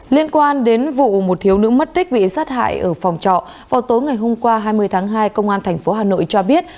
liên quan đến vụ một thiếu nữ mất tích bị sát hại ở phòng trọ vào tối ngày hôm qua hai mươi tháng hai công an tp hà nội cho biết